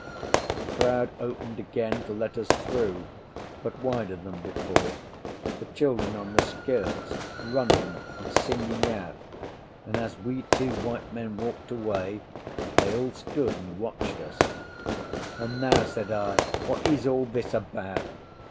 The crowd opened again to let us through, but wider than before, the children on the skirts running and singing out, and as we two white men walked away they all stood and watched us. "And now," said I, "what is all this about?"